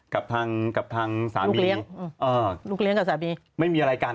กับทางกับทางสามีลูกเลี้ยงกับสามีไม่มีอะไรกัน